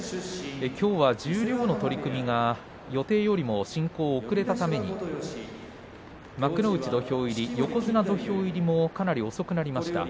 きょうは十両の取組が予定よりも進行が遅れたために幕内土俵入り横綱土俵入りもかなり遅くなりました。